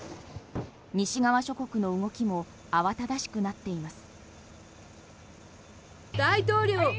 西側諸国の動きも慌ただしくなっています。